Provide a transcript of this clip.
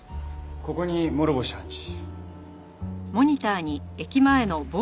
ここに諸星判事。